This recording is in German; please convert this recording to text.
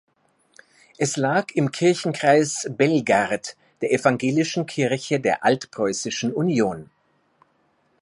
Es lag im Kirchenkreis Belgard der evangelischen Kirche der Altpreußischen Union.